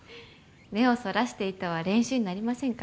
目をそらしていては練習になりませんから。